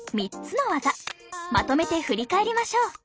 まとめて振り返りましょう。